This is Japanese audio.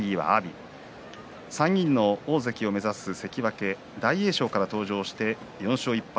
３人の大関を目指す関脇大栄翔から登場して４勝１敗